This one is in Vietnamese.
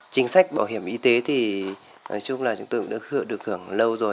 chính sách bảo hiểm y tế thì nói chung là chúng tôi cũng đã được hưởng lâu rồi